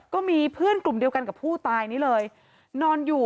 ก็มีเพื่อนกลุ่มเดียวกันกับผู้ตายนี้เลยนอนอยู่